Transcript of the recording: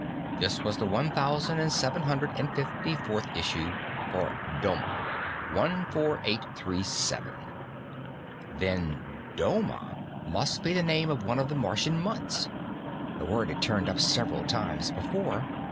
This was the one thousand and seven hundred and fifty fourth issue, for Doma, 14837; then Doma must be the name of one of the Martian months. The word had turned up several times before.